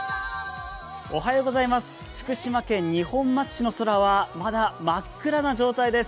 福島県二本松市の空はまだ真っ暗な状態です。